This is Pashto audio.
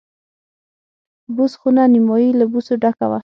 بوس خونه نیمایي له بوسو ډکه وه.